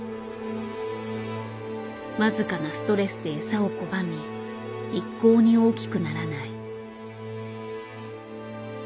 僅かなストレスで餌を拒み一向に大きくならない。